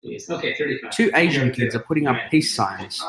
Two Asian kids are putting up peace signs.